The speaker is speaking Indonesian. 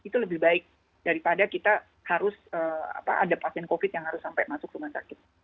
itu lebih baik daripada kita harus ada pasien covid yang harus sampai masuk rumah sakit